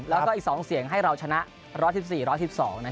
แล้วก็อีก๒เสียงให้เราชนะ๑๑๔๑๑๒